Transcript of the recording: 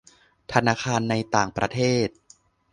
ธนาคารในต่างประเทศ